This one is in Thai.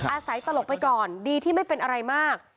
ตลกไปก่อนดีที่ไม่เป็นอะไรมาก